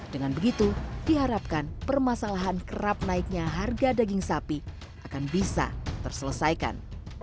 dengan begitu diharapkan permasalahan kerap naiknya harga daging sapi akan bisa terselesaikan